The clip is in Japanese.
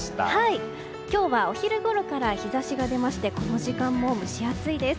今日はお昼ごろから日差しが出ましてこの時間も蒸し暑いです。